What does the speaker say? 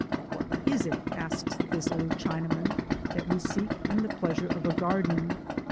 'What is it,' asks this old Chinaman, 'that we seek in the pleasure of a garden?